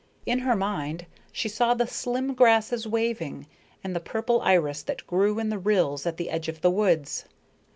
In her mind she saw the slim grasses waving and the purple iris that grew in the rills at the edge of the woods.